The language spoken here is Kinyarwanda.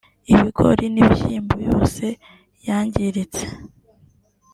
ibigori n’ibishyimbo yose yangiritse